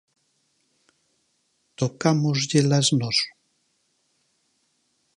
Tocámosllelas nós?